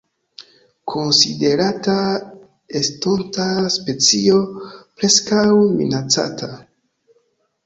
Konsiderata estonta specio Preskaŭ Minacata.